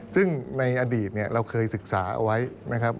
ซึ่งในอดีตเราเคยศึกษาเอาไว้นะครับ